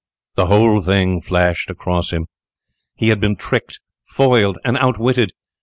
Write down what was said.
|++ The whole thing flashed across him. He had been tricked, foiled, and out witted!